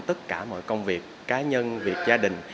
tất cả mọi công việc cá nhân việc gia đình